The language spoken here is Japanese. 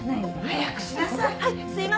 早くしなさい！